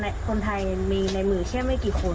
คนไทยมีในมือแค่ไม่กี่คน